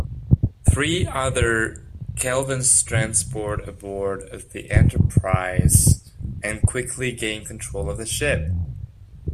Three other Kelvans transport aboard the "Enterprise", and quickly gain control of the ship.